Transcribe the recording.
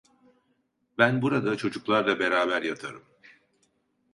Ben burada çocuklarla beraber yatarım…